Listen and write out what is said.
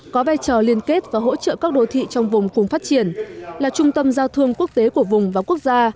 có vai trò liên kết và hỗ trợ các đô thị trong vùng cùng phát triển là trung tâm giao thương quốc tế của vùng và quốc gia